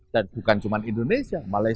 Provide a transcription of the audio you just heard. dan bukan cuma indonesia